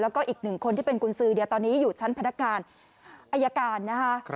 แล้วก็อีก๑คนที่เป็นกุญซื้อเดี๋ยวตอนนี้อยู่ชั้นพนักงานอายการ